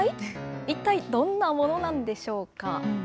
一体どんなものなんでしょうか。